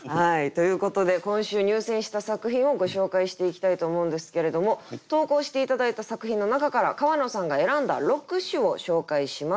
ということで今週入選した作品をご紹介していきたいと思うんですけれども投稿して頂いた作品の中から川野さんが選んだ六首を紹介します。